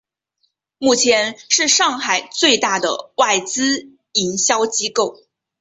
目前是上海最大的外资营销机构。